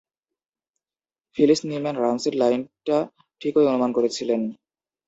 Fleece Newman রামসির লাইনটা ঠিকই অনুমান করেছিলেন।